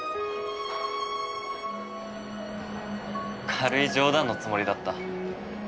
軽い冗談のつもりだった。